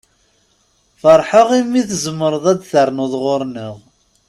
Feṛḥeɣ i mi tzemreḍ ad d-ternuḍ ɣuṛ-nneɣ.